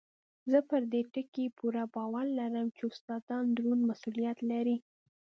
زه پر دې ټکي پوره باور لرم چې استادان دروند مسؤلیت لري.